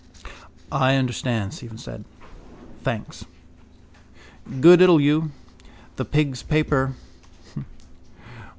—I understand, Stephen said. Thanks. God ild you. The pigs' paper.